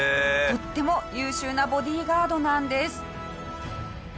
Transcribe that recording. とっても優秀なボディーガードなんです。